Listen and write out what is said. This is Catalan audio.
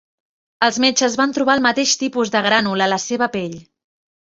Els metges van trobar el mateix tipus de grànul a la seva pell.